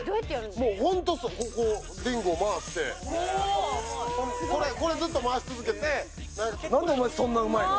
もうホントこうリングを回してへえこれこれずっと回し続けて何でお前そんなうまいの？